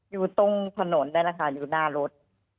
อยู่ตรงถนนได้นะคะอยู่หน้ารถ